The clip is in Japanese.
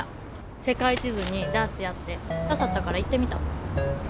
世界地図にダーツやって刺さったから行ってみた。